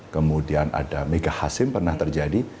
kemudian ada mega hasim pernah terjadi